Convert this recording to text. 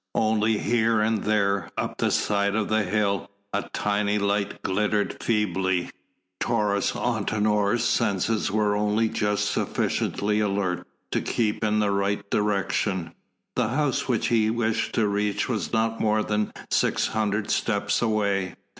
Only here and there up the side of the hill a tiny light glittered feebly. Taurus Antinor's senses were only just sufficiently alert to keep in the right direction. The house which he wished to reach was not more now than six hundred steps away.